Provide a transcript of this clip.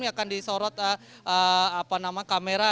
akan disorot kamera